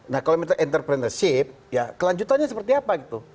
nah kalau minta entrepreneurship ya kelanjutannya seperti apa gitu